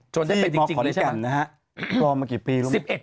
จนได้เป็นจริงแน่นแล้วนะครับกล้อมากี่ปีรู้ไหม